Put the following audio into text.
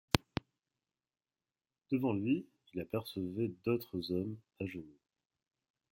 Devant lui, il apercevait d’autres hommes, à genoux.